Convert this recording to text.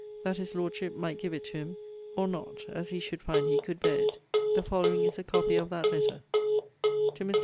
that his Lordship might give it to him, or not, as he should find he could bear it. The following is a copy of that letter: TO MR.